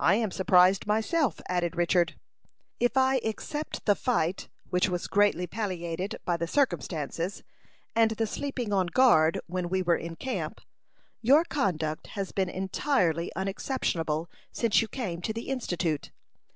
"I am surprised myself," added Richard. "If I except the fight, which was greatly palliated by the circumstances, and the sleeping on guard when we were in camp, your conduct has been entirely unexceptionable since you came to the Institute.